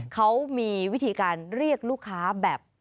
เขามีวิธีการเรียกลูกค้าแบบ